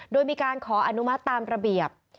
โดยมีการขออนุมัติตามระเบียบ